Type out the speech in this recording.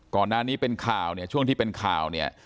ก่อนหน้านี้เป็นข่าวเนี่ยช่วงที่เป็นข่าวเนี่ย